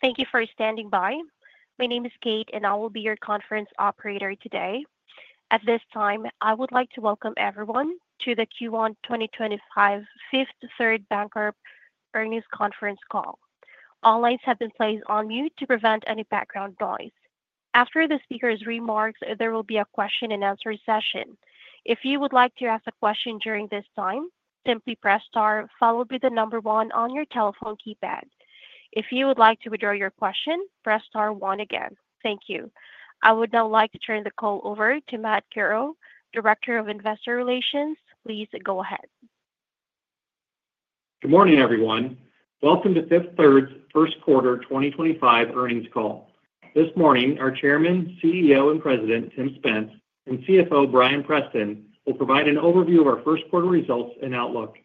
Thank you for standing by. My name is Kate, and I will be your conference operator today. At this time, I would like to welcome everyone to the Q1 2025 Fifth Third Bancorp Earnings Conference Call. All lines have been placed on mute to prevent any background noise. After the speaker's remarks, there will be a question-and-answer session. If you would like to ask a question during this time, simply press star, followed by the number one on your telephone keypad. If you would like to withdraw your question, press star one again. Thank you. I would now like to turn the call over to Matt Curoe, Director of Investor Relations. Please go ahead. Good morning, everyone. Welcome to Fifth Third's First Quarter 2025 Earnings Call. This morning, our Chairman, CEO, and President, Tim Spence, and CFO, Bryan Preston, will provide an overview of our first quarter results and outlook.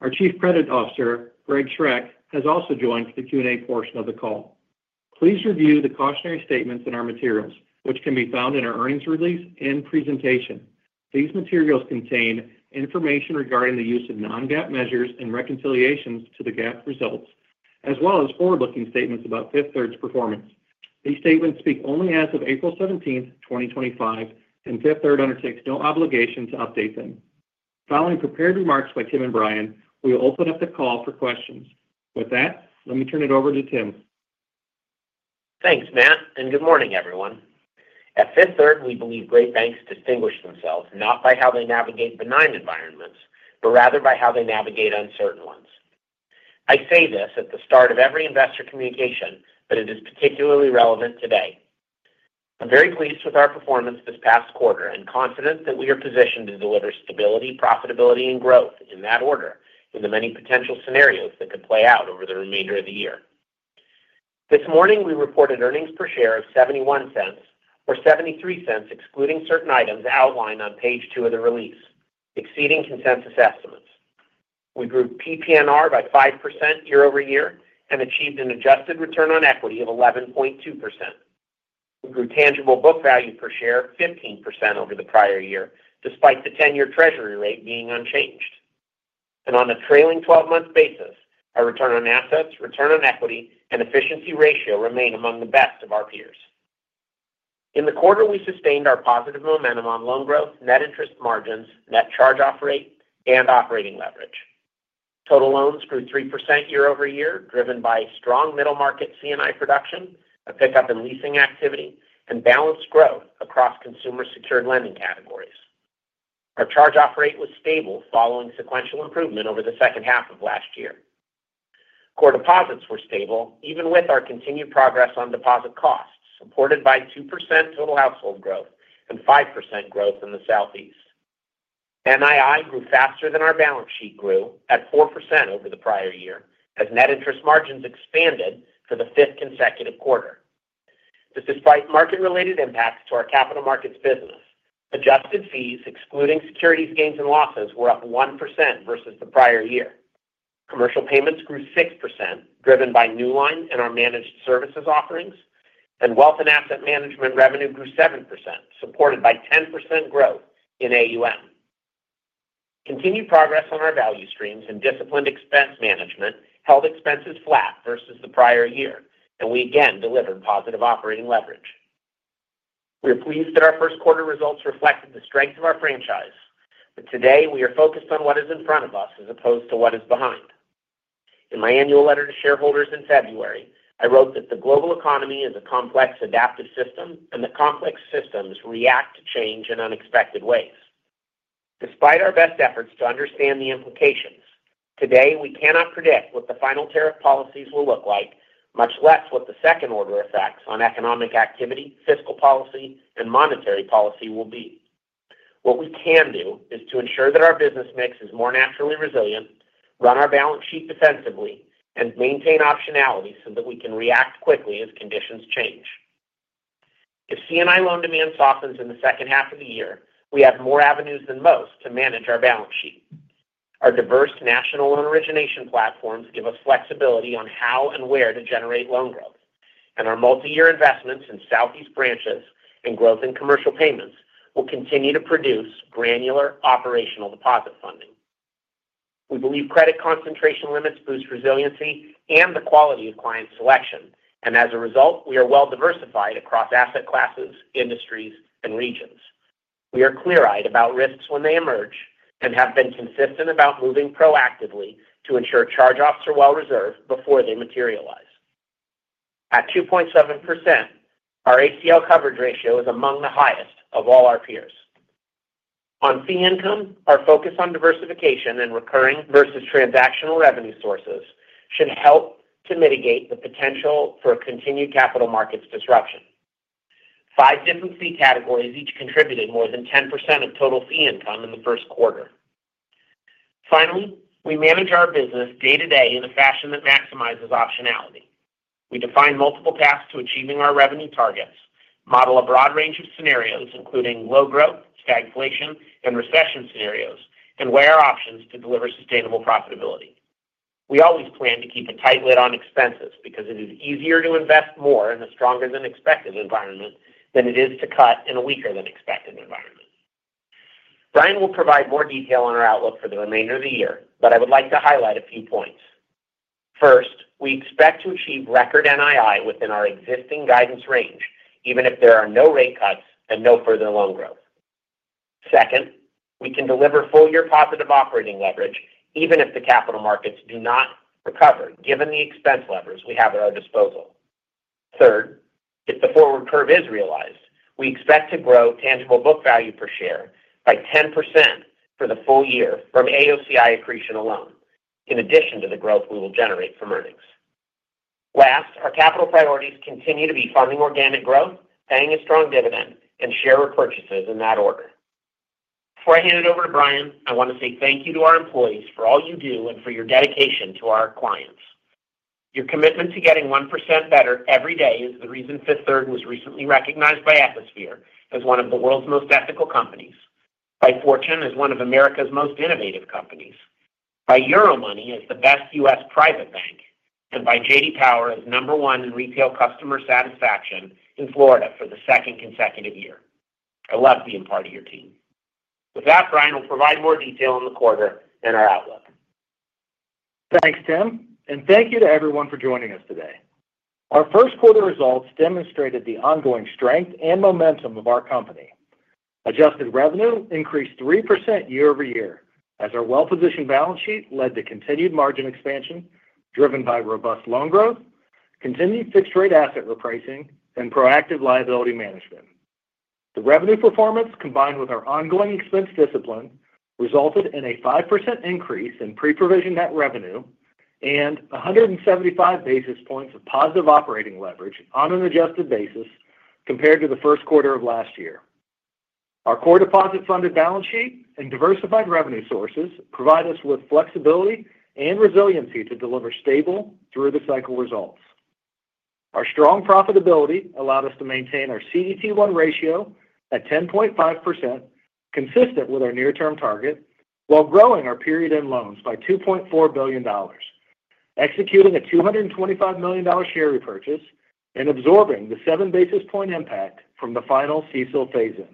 Our Chief Credit Officer, Greg Schroeck, has also joined for the Q&A portion of the call. Please review the cautionary statements in our materials, which can be found in our earnings release and presentation. These materials contain information regarding the use of non-GAAP measures and reconciliations to the GAAP results, as well as forward-looking statements about Fifth Third's performance. These statements speak only as of April 17, 2025, and Fifth Third undertakes no obligation to update them. Following prepared remarks by Tim and Bryan, we will open up the call for questions. With that, let me turn it over to Tim. Thanks, Matt, and good morning, everyone. At Fifth Third, we believe great banks distinguish themselves not by how they navigate benign environments, but rather by how they navigate uncertain ones. I say this at the start of every investor communication, but it is particularly relevant today. I'm very pleased with our performance this past quarter and confident that we are positioned to deliver stability, profitability, and growth, in that order, in the many potential scenarios that could play out over the remainder of the year. This morning, we reported earnings per share of $0.71 or $0.73 excluding certain items outlined on page two of the release, exceeding consensus estimates. We grew PPNR by 5% year-over-year and achieved an adjusted return on equity of 11.2%. We grew tangible book value per share 15% over the prior year, despite the 10-year treasury rate being unchanged. On a trailing 12-month basis, our return on assets, return on equity, and efficiency ratio remain among the best of our peers. In the quarter, we sustained our positive momentum on loan growth, net interest margins, net charge-off rate, and operating leverage. Total loans grew 3% year-over-year, driven by strong middle market C&I production, a pickup in leasing activity, and balanced growth across consumer-secured lending categories. Our charge-off rate was stable following sequential improvement over the second half of last year. Core deposits were stable, even with our continued progress on deposit costs, supported by 2% total household growth and 5% growth in the Southeast. NII grew faster than our balance sheet grew, at 4% over the prior year, as net interest margins expanded for the fifth consecutive quarter. Despite market-related impacts to our capital markets business, adjusted fees, excluding securities gains and losses, were up 1% versus the prior year. Commercial payments grew 6%, driven by Newline and our managed services offerings, and wealth and asset management revenue grew 7%, supported by 10% growth in AUM. Continued progress on our value streams and disciplined expense management held expenses flat versus the prior year, and we again delivered positive operating leverage. We are pleased that our first quarter results reflected the strength of our franchise, but today we are focused on what is in front of us as opposed to what is behind. In my annual letter to shareholders in February, I wrote that the global economy is a complex, adaptive system, and that complex systems react to change in unexpected ways. Despite our best efforts to understand the implications, today we cannot predict what the final tariff policies will look like, much less what the second order effects on economic activity, fiscal policy, and monetary policy will be. What we can do is to ensure that our business mix is more naturally resilient, run our balance sheet defensively, and maintain optionality so that we can react quickly as conditions change. If C&I loan demand softens in the second half of the year, we have more avenues than most to manage our balance sheet. Our diverse national loan origination platforms give us flexibility on how and where to generate loan growth, and our multi-year investments in Southeast branches and growth in commercial payments will continue to produce granular operational deposit funding. We believe credit concentration limits boost resiliency and the quality of client selection, and as a result, we are well diversified across asset classes, industries, and regions. We are clear-eyed about risks when they emerge and have been consistent about moving proactively to ensure charge-offs are well reserved before they materialize. At 2.7%, our ACL coverage ratio is among the highest of all our peers. On fee income, our focus on diversification and recurring versus transactional revenue sources should help to mitigate the potential for continued capital markets disruption. Five different fee categories each contributed more than 10% of total fee income in the first quarter. Finally, we manage our business day-to-day in a fashion that maximizes optionality. We define multiple paths to achieving our revenue targets, model a broad range of scenarios including low growth, stagflation, and recession scenarios, and weigh our options to deliver sustainable profitability. We always plan to keep a tight lid on expenses because it is easier to invest more in a stronger-than-expected environment than it is to cut in a weaker-than-expected environment. Bryan will provide more detail on our outlook for the remainder of the year, but I would like to highlight a few points. First, we expect to achieve record NII within our existing guidance range, even if there are no rate cuts and no further loan growth. Second, we can deliver full-year positive operating leverage even if the capital markets do not recover, given the expense levers we have at our disposal. Third, if the forward curve is realized, we expect to grow tangible book value per share by 10% for the full year from AOCI accretion alone, in addition to the growth we will generate from earnings. Last, our capital priorities continue to be funding organic growth, paying a strong dividend, and share repurchases in that order. Before I hand it over to Bryan, I want to say thank you to our employees for all you do and for your dedication to our clients. Your commitment to getting 1% better every day is the reason Fifth Third was recently recognized by Ethisphere as one of the world's most ethical companies, by Fortune as one of America's most innovative companies, by Euromoney as the best U.S. private bank, and by J.D. Power as number one in retail customer satisfaction in Florida for the second consecutive year. I love being part of your team. With that, Bryan will provide more detail in the quarter and our outlook. Thanks, Tim, and thank you to everyone for joining us today. Our first quarter results demonstrated the ongoing strength and momentum of our company. Adjusted revenue increased 3% year-over-year as our well-positioned balance sheet led to continued margin expansion driven by robust loan growth, continued fixed-rate asset repricing, and proactive liability management. The revenue performance, combined with our ongoing expense discipline, resulted in a 5% increase in pre-provision net revenue and 175 basis points of positive operating leverage on an adjusted basis compared to the first quarter of last year. Our core deposit-funded balance sheet and diversified revenue sources provide us with flexibility and resiliency to deliver stable, through-the-cycle results. Our strong profitability allowed us to maintain our CET1 ratio at 10.5%, consistent with our near-term target, while growing our period-end loans by $2.4 billion, executing a $225 million share repurchase, and absorbing the 7 basis point impact from the final CECL phase-in.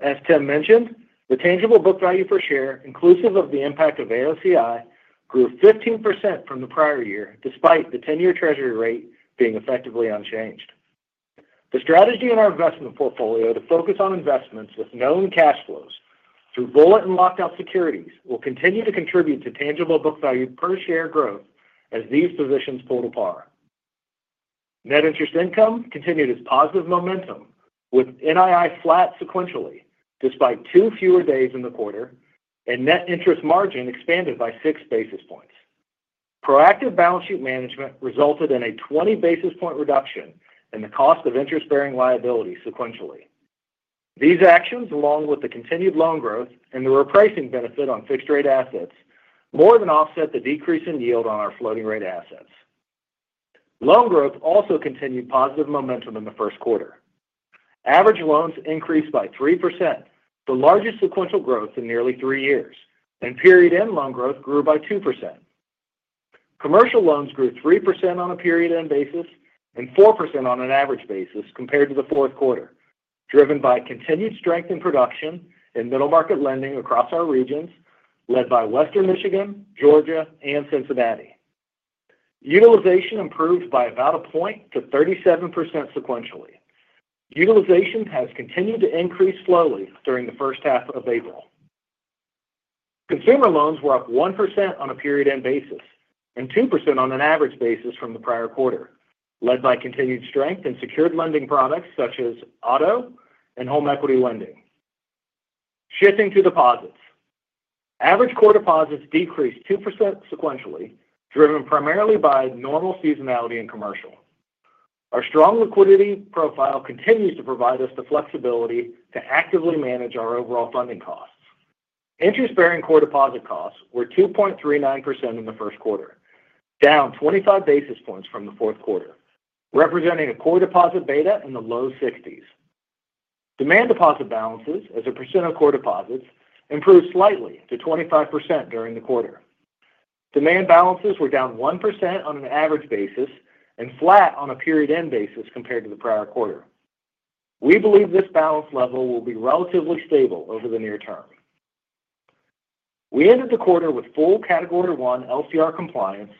As Tim mentioned, the tangible book value per share, inclusive of the impact of AOCI, grew 15% from the prior year, despite the 10-year treasury rate being effectively unchanged. The strategy in our investment portfolio to focus on investments with known cash flows through rolling and locked-out securities will continue to contribute to tangible book value per share growth as these positions pull to par. Net interest income continued its positive momentum, with NII flat sequentially despite two fewer days in the quarter, and net interest margin expanded by 6 basis points. Proactive balance sheet management resulted in a 20 basis point reduction in the cost of interest-bearing liability sequentially. These actions, along with the continued loan growth and the replacing benefit on fixed-rate assets, more than offset the decrease in yield on our floating-rate assets. Loan growth also continued positive momentum in the first quarter. Average loans increased by 3%, the largest sequential growth in nearly three years, and period-end loan growth grew by 2%. Commercial loans grew 3% on a period-end basis and 4% on an average basis compared to the fourth quarter, driven by continued strength in production and middle market lending across our regions, led by Western Michigan, Georgia, and Cincinnati. Utilization improved by about a point to 37% sequentially. Utilization has continued to increase slowly during the first half of April. Consumer loans were up 1% on a period-end basis and 2% on an average basis from the prior quarter, led by continued strength in secured lending products such as auto and home equity lending. Shifting to deposits, average core deposits decreased 2% sequentially, driven primarily by normal seasonality in commercial. Our strong liquidity profile continues to provide us the flexibility to actively manage our overall funding costs. Interest-bearing core deposit costs were 2.39% in the first quarter, down 25 basis points from the fourth quarter, representing a core deposit beta in the low 60s. Demand deposit balances, as a percent of core deposits, improved slightly to 25% during the quarter. Demand balances were down 1% on an average basis and flat on a period-end basis compared to the prior quarter. We believe this balance level will be relatively stable over the near term. We ended the quarter with full Category 1 LCR compliance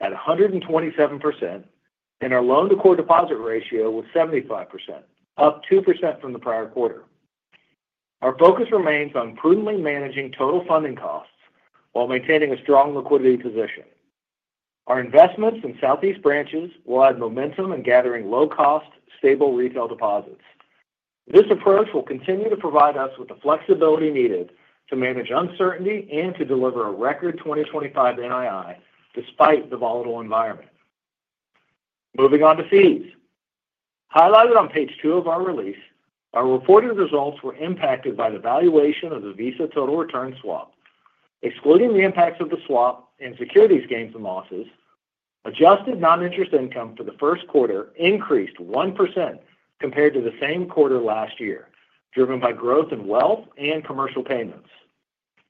at 127%, and our loan-to-core deposit ratio was 75%, up 2% from the prior quarter. Our focus remains on prudently managing total funding costs while maintaining a strong liquidity position. Our investments in Southeast branches will add momentum in gathering low-cost, stable retail deposits. This approach will continue to provide us with the flexibility needed to manage uncertainty and to deliver a record 2025 NII despite the volatile environment. Moving on to fees. Highlighted on page two of our release, our reported results were impacted by the valuation of the Visa total return swap. Excluding the impacts of the swap and securities gains and losses, adjusted non-interest income for the first quarter increased 1% compared to the same quarter last year, driven by growth in wealth and commercial payments.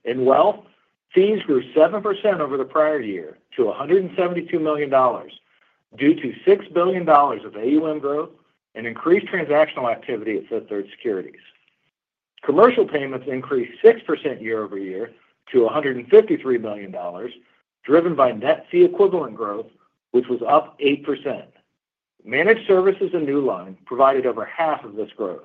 In wealth, fees grew 7% over the prior year to $172 million due to $6 billion of AUM growth and increased transactional activity at Fifth Third Securities. Commercial payments increased 6% year-over-year to $153 million, driven by net fee equivalent growth, which was up 8%. Managed services and Newline provided over half of this growth.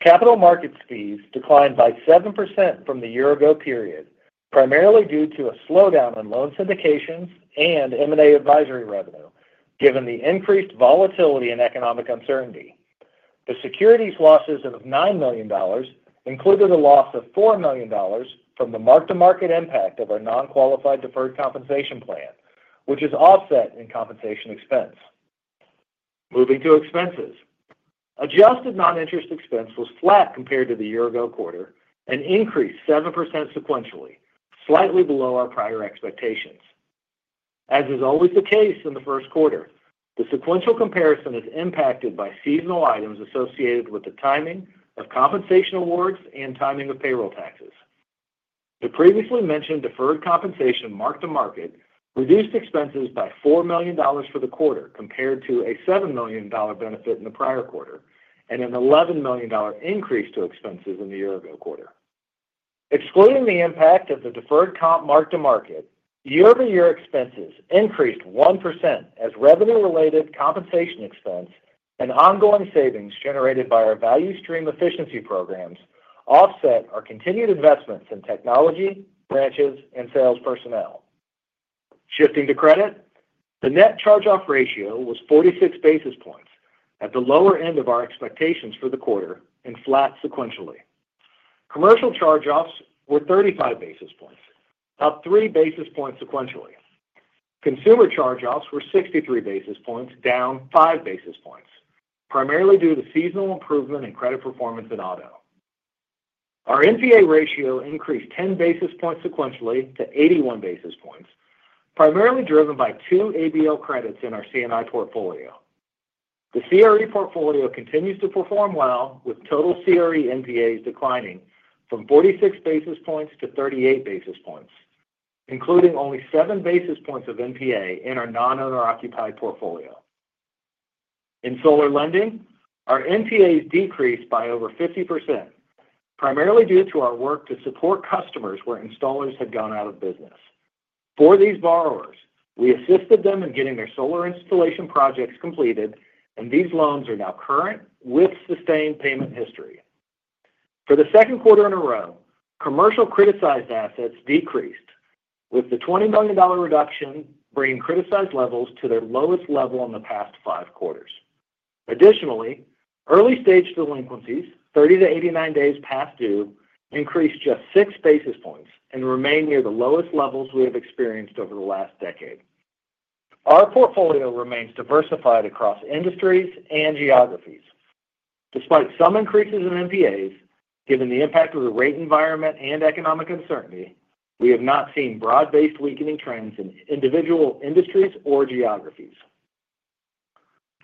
Capital markets fees declined by 7% from the year-ago period, primarily due to a slowdown in loan syndications and M&A advisory revenue, given the increased volatility and economic uncertainty. The securities losses of $9 million included a loss of $4 million from the mark-to-market impact of our non-qualified deferred compensation plan, which is offset in compensation expense. Moving to expenses, adjusted non-interest expense was flat compared to the year-ago quarter and increased 7% sequentially, slightly below our prior expectations. As is always the case in the first quarter, the sequential comparison is impacted by seasonal items associated with the timing of compensation awards and timing of payroll taxes. The previously mentioned deferred compensation mark-to-market reduced expenses by $4 million for the quarter compared to a $7 million benefit in the prior quarter and an $11 million increase to expenses in the year-ago quarter. Excluding the impact of the deferred comp mark-to-market, year-over-year expenses increased 1% as revenue-related compensation expense and ongoing savings generated by our value stream efficiency programs offset our continued investments in technology, branches, and sales personnel. Shifting to credit, the net charge-off ratio was 46 basis points at the lower end of our expectations for the quarter and flat sequentially. Commercial charge-offs were 35 basis points, up 3 basis points sequentially. Consumer charge-offs were 63 basis points, down 5 basis points, primarily due to the seasonal improvement in credit performance in auto. Our NPA ratio increased 10 basis points sequentially to 81 basis points, primarily driven by two ABL credits in our C&I portfolio. The CRE portfolio continues to perform well, with total CRE NPAs declining from 46 basis points to 38 basis points, including only 7 basis points of NPA in our non-owner-occupied portfolio. In solar lending, our NPAs decreased by over 50%, primarily due to our work to support customers where installers had gone out of business. For these borrowers, we assisted them in getting their solar installation projects completed, and these loans are now current with sustained payment history. For the second quarter in a row, commercial criticized assets decreased, with the $20 million reduction bringing criticized levels to their lowest level in the past five quarters. Additionally, early-stage delinquencies, 30-89 days past due, increased just 6 basis points and remain near the lowest levels we have experienced over the last decade. Our portfolio remains diversified across industries and geographies. Despite some increases in NPAs, given the impact of the rate environment and economic uncertainty, we have not seen broad-based weakening trends in individual industries or geographies.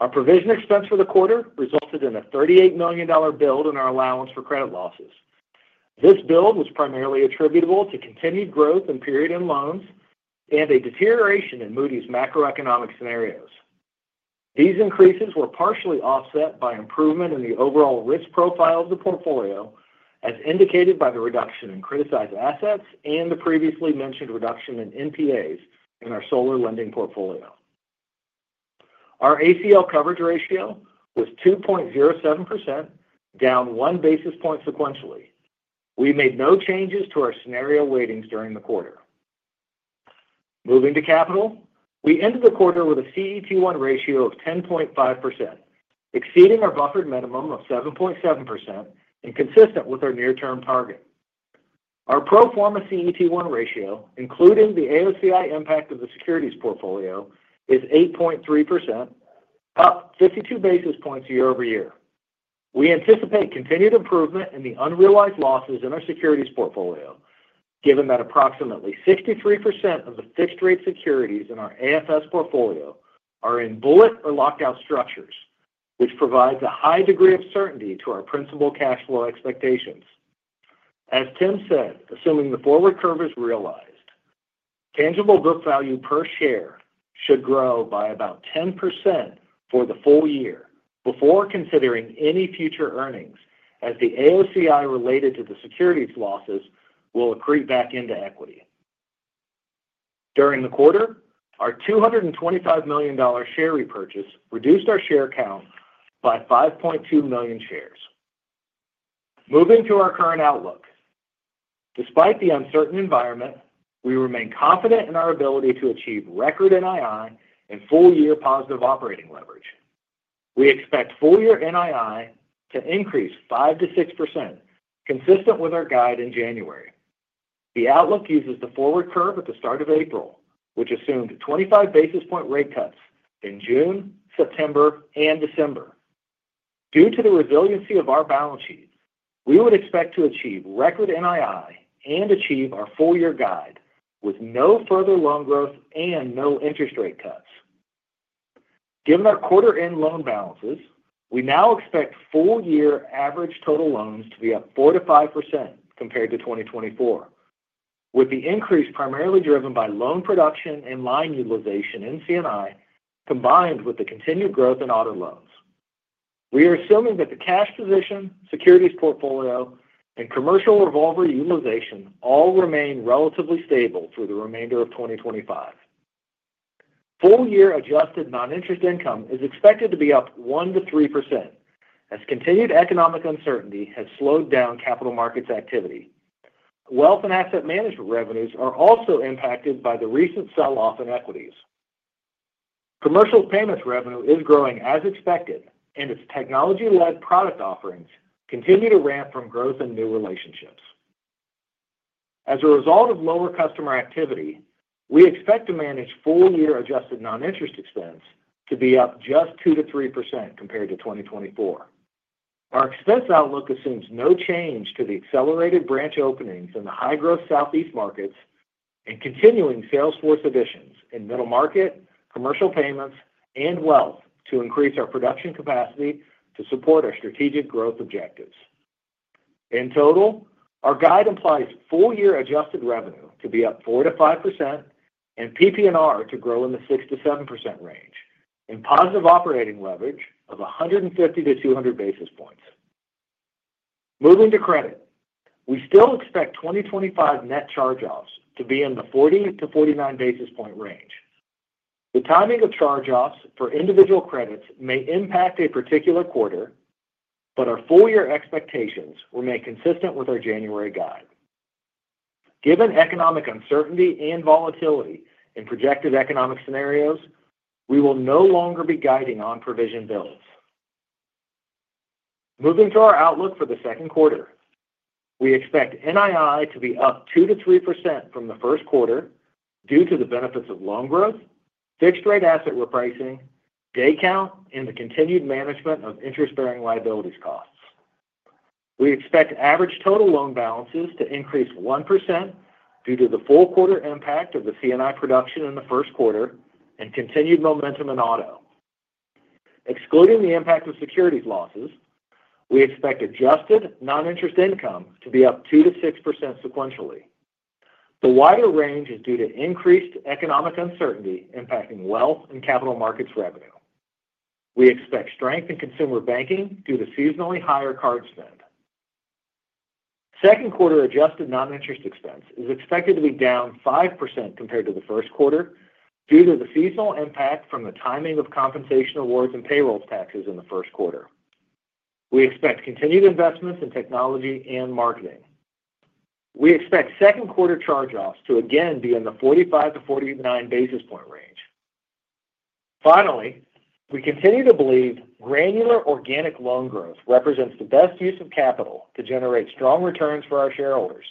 Our provision expense for the quarter resulted in a $38 million build in our allowance for credit losses. This build was primarily attributable to continued growth in period-end loans and a deterioration in Moody's macroeconomic scenarios. These increases were partially offset by improvement in the overall risk profile of the portfolio, as indicated by the reduction in criticized assets and the previously mentioned reduction in NPAs in our solar lending portfolio. Our ACL coverage ratio was 2.07%, down 1 basis point sequentially. We made no changes to our scenario weightings during the quarter. Moving to capital, we ended the quarter with a CET1 ratio of 10.5%, exceeding our buffered minimum of 7.7% and consistent with our near-term target. Our pro forma CET1 ratio, including the AOCI impact of the securities portfolio, is 8.3%, up 52 basis points year-over-year. We anticipate continued improvement in the unrealized losses in our securities portfolio, given that approximately 63% of the fixed-rate securities in our AFS portfolio are in bullet or locked-out structures, which provides a high degree of certainty to our principal cash flow expectations. As Tim said, assuming the forward curve is realized, tangible book value per share should grow by about 10% for the full year before considering any future earnings, as the AOCI related to the securities losses will accrete back into equity. During the quarter, our $225 million share repurchase reduced our share count by 5.2 million shares. Moving to our current outlook, despite the uncertain environment, we remain confident in our ability to achieve record NII and full-year positive operating leverage. We expect full-year NII to increase 5%-6%, consistent with our guide in January. The outlook uses the forward curve at the start of April, which assumed 25 basis point rate cuts in June, September, and December. Due to the resiliency of our balance sheet, we would expect to achieve record NII and achieve our full-year guide with no further loan growth and no interest rate cuts. Given our quarter-end loan balances, we now expect full-year average total loans to be up 4%-5% compared to 2024, with the increase primarily driven by loan production and line utilization in C&I combined with the continued growth in auto loans. We are assuming that the cash position, securities portfolio, and commercial revolver utilization all remain relatively stable through the remainder of 2025. Full-year adjusted non-interest income is expected to be up 1%-3%, as continued economic uncertainty has slowed down capital markets activity. Wealth and asset management revenues are also impacted by the recent sell-off in equities. Commercial payments revenue is growing as expected, and its technology-led product offerings continue to ramp from growth in new relationships. As a result of lower customer activity, we expect to manage full-year adjusted non-interest expense to be up just 2%-3% compared to 2024. Our expense outlook assumes no change to the accelerated branch openings in the high-growth Southeast markets and continuing sales force additions in middle market, commercial payments, and wealth to increase our production capacity to support our strategic growth objectives. In total, our guide implies full-year adjusted revenue to be up 4%-5% and PPNR to grow in the 6%-7% range and positive operating leverage of 150-200 basis points. Moving to credit, we still expect 2025 net charge-offs to be in the 40-49 basis point range. The timing of charge-offs for individual credits may impact a particular quarter, but our full-year expectations remain consistent with our January guide. Given economic uncertainty and volatility in projected economic scenarios, we will no longer be guiding on provision builds. Moving to our outlook for the second quarter, we expect NII to be up 2%-3% from the first quarter due to the benefits of loan growth, fixed-rate asset repricing, day count, and the continued management of interest-bearing liabilities costs. We expect average total loan balances to increase 1% due to the full quarter impact of the C&I production in the first quarter and continued momentum in auto. Excluding the impact of securities losses, we expect adjusted non-interest income to be up 2%-6% sequentially. The wider range is due to increased economic uncertainty impacting wealth and capital markets revenue. We expect strength in consumer banking due to seasonally higher card spend. Second quarter adjusted non-interest expense is expected to be down 5% compared to the first quarter due to the seasonal impact from the timing of compensation awards and payroll taxes in the first quarter. We expect continued investments in technology and marketing. We expect second quarter charge-offs to again be in the 45-49 basis point range. Finally, we continue to believe granular organic loan growth represents the best use of capital to generate strong returns for our shareholders.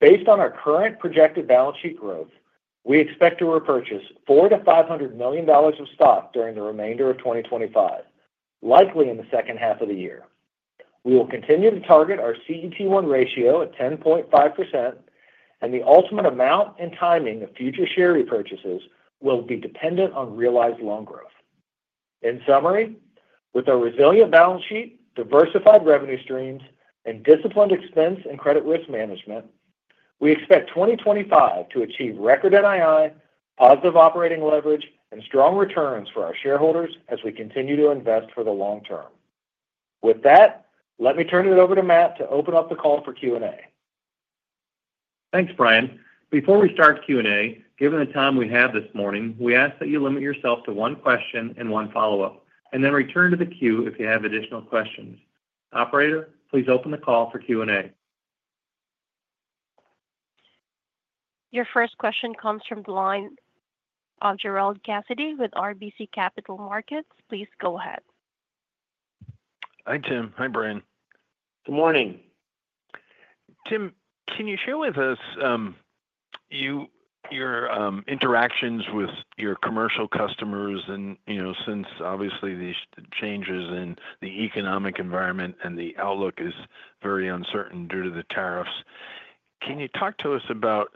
Based on our current projected balance sheet growth, we expect to repurchase $400 million-$500 million of stock during the remainder of 2025, likely in the second half of the year. We will continue to target our CET1 ratio at 10.5%, and the ultimate amount and timing of future share repurchases will be dependent on realized loan growth. In summary, with our resilient balance sheet, diversified revenue streams, and disciplined expense and credit risk management, we expect 2025 to achieve record NII, positive operating leverage, and strong returns for our shareholders as we continue to invest for the long term. With that, let me turn it over to Matt to open up the call for Q&A. Thanks, Bryan. Before we start Q&A, given the time we have this morning, we ask that you limit yourself to one question and one follow-up, and then return to the queue if you have additional questions. Operator, please open the call for Q&A. Your first question comes from the line of Gerard Cassidy with RBC Capital Markets. Please go ahead. Hi, Tim. Hi, Bryan. Good morning. Tim, can you share with us your interactions with your commercial customers? Since obviously these changes in the economic environment and the outlook is very uncertain due to the tariffs, can you talk to us about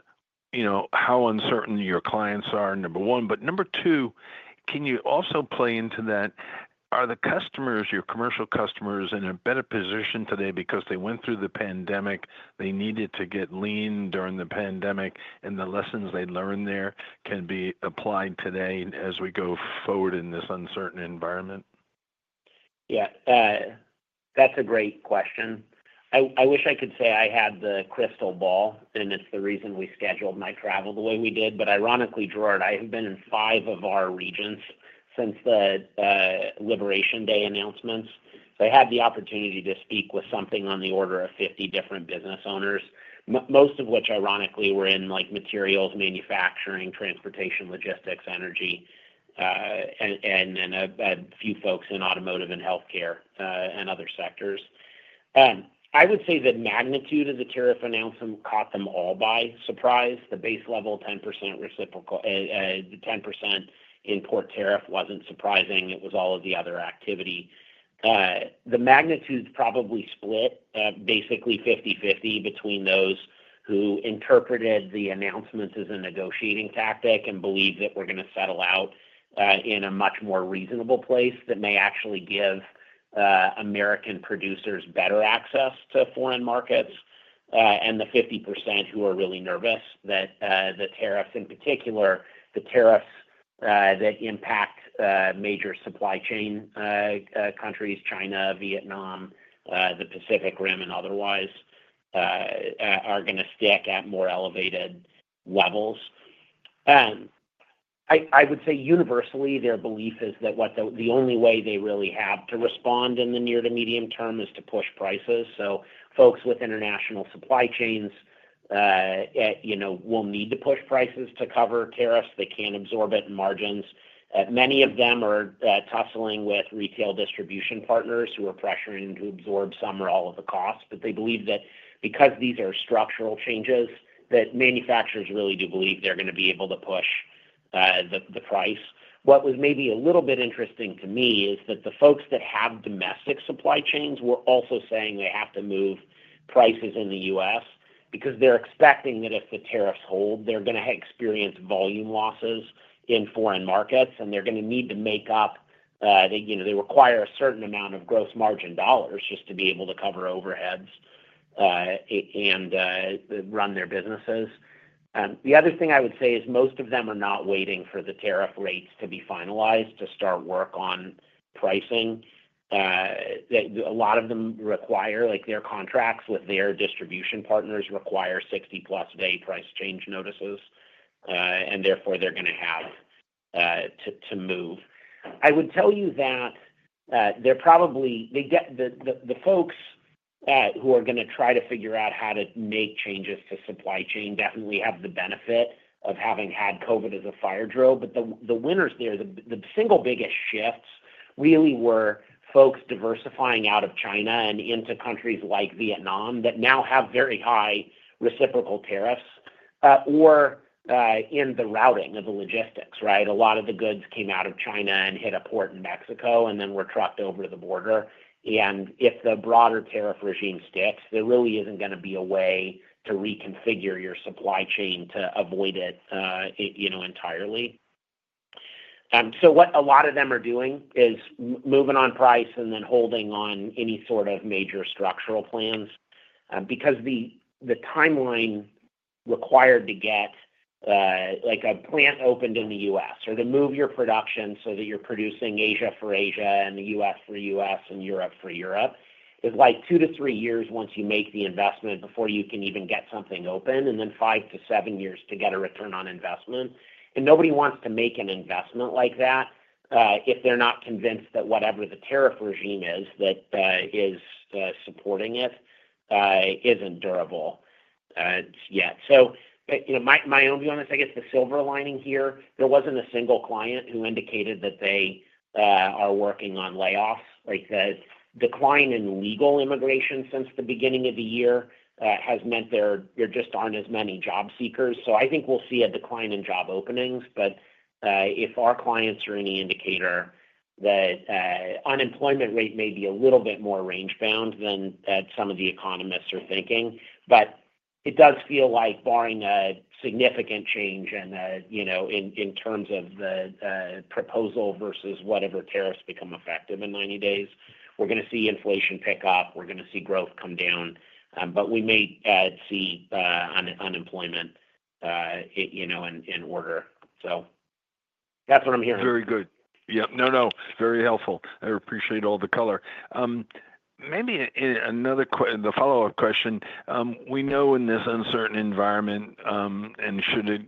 how uncertain your clients are, number one? Number two, can you also play into that? Are the customers, your commercial customers, in a better position today because they went through the pandemic? They needed to get lean during the pandemic, and the lessons they learned there can be applied today as we go forward in this uncertain environment? Yeah, that's a great question. I wish I could say I had the crystal ball, and it's the reason we scheduled my travel the way we did. Ironically, Gerard, I have been in five of our regions since the Liberation Day announcements. I had the opportunity to speak with something on the order of 50 different business owners, most of which, ironically, were in materials, manufacturing, transportation, logistics, energy, and then a few folks in automotive and healthcare and other sectors. I would say the magnitude of the tariff announcement caught them all by surprise. The base level 10% import tariff wasn't surprising. It was all of the other activity. The magnitude's probably split, basically 50/50, between those who interpreted the announcements as a negotiating tactic and believe that we're going to settle out in a much more reasonable place that may actually give American producers better access to foreign markets, and the 50% who are really nervous that the tariffs, in particular, the tariffs that impact major supply chain countries, China, Vietnam, the Pacific Rim, and otherwise, are going to stick at more elevated levels. I would say universally, their belief is that the only way they really have to respond in the near to medium term is to push prices. Folks with international supply chains will need to push prices to cover tariffs. They can't absorb it in margins. Many of them are tussling with retail distribution partners who are pressuring to absorb some or all of the costs. They believe that because these are structural changes, manufacturers really do believe they're going to be able to push the price. What was maybe a little bit interesting to me is that the folks that have domestic supply chains were also saying they have to move prices in the U.S. because they're expecting that if the tariffs hold, they're going to experience volume losses in foreign markets, and they're going to need to make up. They require a certain amount of gross margin dollars just to be able to cover overheads and run their businesses. The other thing I would say is most of them are not waiting for the tariff rates to be finalized to start work on pricing. A lot of them require their contracts with their distribution partners require 60-plus-day price change notices, and therefore they're going to have to move. I would tell you that they're probably the folks who are going to try to figure out how to make changes to supply chain definitely have the benefit of having had COVID as a fire drill. The winners there, the single biggest shifts really were folks diversifying out of China and into countries like Vietnam that now have very high reciprocal tariffs or in the routing of the logistics, right? A lot of the goods came out of China and hit a port in Mexico and then were trucked over the border. If the broader tariff regime sticks, there really isn't going to be a way to reconfigure your supply chain to avoid it entirely. What a lot of them are doing is moving on price and then holding on any sort of major structural plans because the timeline required to get a plant opened in the U.S. or to move your production so that you're producing Asia for Asia and the U.S. for U.S. and Europe for Europe is like two to three years once you make the investment before you can even get something open, and then five to seven years to get a return on investment. Nobody wants to make an investment like that if they're not convinced that whatever the tariff regime is that is supporting it isn't durable yet. My own view on this, I guess the silver lining here, there wasn't a single client who indicated that they are working on layoffs. The decline in legal immigration since the beginning of the year has meant there just aren't as many job seekers. I think we'll see a decline in job openings. If our clients are any indicator, the unemployment rate may be a little bit more range-bound than some of the economists are thinking. It does feel like, barring a significant change in terms of the proposal versus whatever tariffs become effective in 90 days, we're going to see inflation pick up. We're going to see growth come down. We may see unemployment in order. That's what I'm hearing. Very good. Yeah. No, no. Very helpful. I appreciate all the color. Maybe another follow-up question. We know in this uncertain environment, and should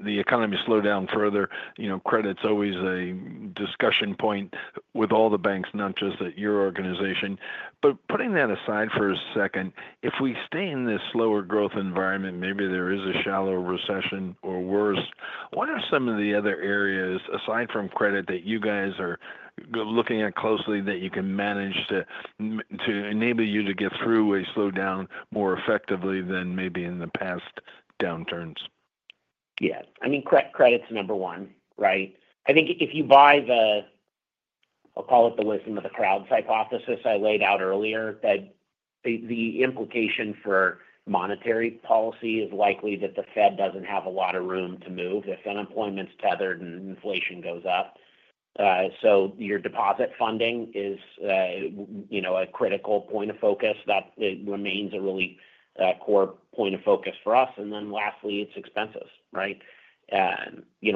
the economy slow down further, credit's always a discussion point with all the banks, not just at your organization. Putting that aside for a second, if we stay in this slower growth environment, maybe there is a shallow recession or worse, what are some of the other areas, aside from credit, that you guys are looking at closely that you can manage to enable you to get through a slowdown more effectively than maybe in the past downturns? Yeah. I mean, credit's number one, right? I think if you buy the, I'll call it the wisdom of the crowds hypothesis I laid out earlier, that the implication for monetary policy is likely that the Fed doesn't have a lot of room to move if unemployment's tethered and inflation goes up. Your deposit funding is a critical point of focus. That remains a really core point of focus for us. Lastly, it's expenses,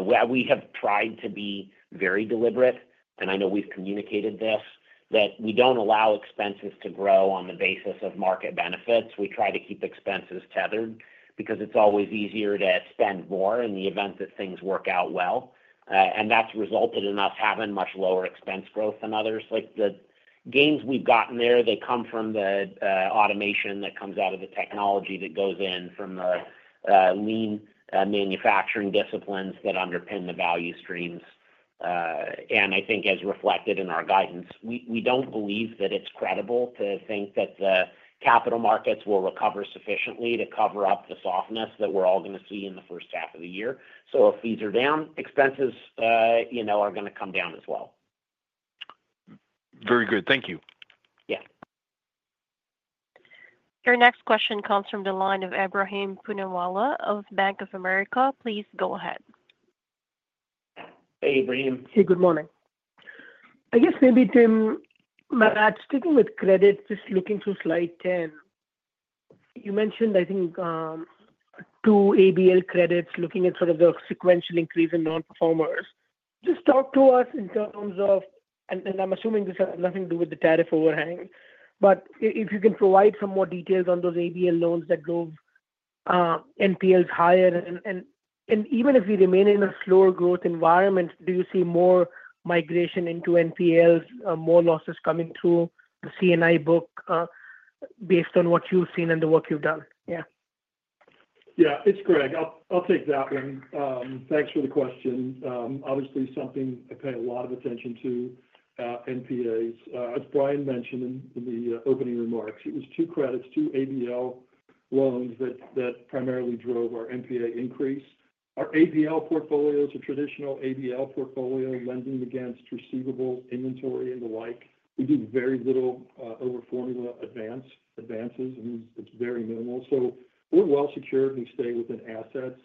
right? We have tried to be very deliberate, and I know we've communicated this, that we don't allow expenses to grow on the basis of market benefits. We try to keep expenses tethered because it's always easier to spend more in the event that things work out well. That has resulted in us having much lower expense growth than others. The gains we've gotten there, they come from the automation that comes out of the technology that goes in from the lean manufacturing disciplines that underpin the value streams. I think as reflected in our guidance, we don't believe that it's credible to think that the capital markets will recover sufficiently to cover up the softness that we're all going to see in the first half of the year. If these are down, expenses are going to come down as well. Very good. Thank you. Yeah. Your next question comes from the line of Ebrahim Poonawala of Bank of America. Please go ahead. Hey, Ebrahim. Hey, good morning. I guess maybe, Tim, Matt, speaking with credit, just looking through Slide 10, you mentioned, I think, two ABL credits looking at sort of the sequential increase in non-performers. Just talk to us in terms of, and I'm assuming this has nothing to do with the tariff overhang, but if you can provide some more details on those ABL loans that drove NPLs higher. Even if we remain in a slower growth environment, do you see more migration into NPLs, more losses coming through the C&I book based on what you've seen and the work you've done? Yeah. Yeah. It's Greg. I'll take that one. Thanks for the question. Obviously, something I pay a lot of attention to, NPAs, as Bryan mentioned in the opening remarks, it was two credits, two ABL loans that primarily drove our NPA increase. Our ABL portfolios are traditional ABL portfolio lending against receivable inventory and the like. We do very little over formula advances. I mean, it's very minimal. So we're well secured. We stay within assets.